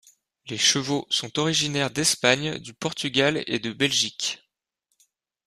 Les chevaux sont originaires d'Espagne, du Portugal et de Belgique.